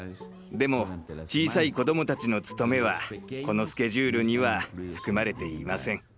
でも小さい子どもたちの務めはこのスケジュールには含まれていません。